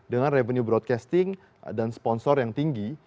dengan revenue broadcasting dan sponsor yang tinggi